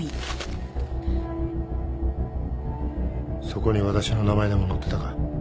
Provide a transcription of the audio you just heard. そこに私の名前でも載ってたか？